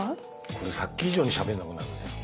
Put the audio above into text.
これさっき以上にしゃべんなくなるね。